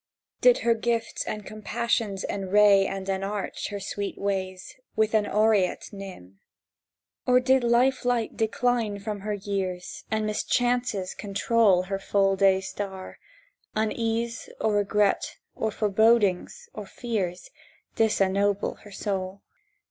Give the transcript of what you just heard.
Did her gifts and compassions enray and enarch her sweet ways With an aureate nimb? Or did life light decline from her years, And mischances control Her full day star; unease, or regret, or forebodings, or fears Disennoble her soul?